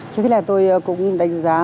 chứ cái này tôi cũng đánh giá